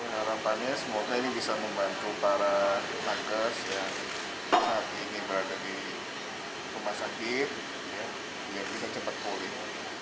harapannya semoga ini bisa membantu para nakes yang ingin berada di rumah sakit biar bisa cepat pulih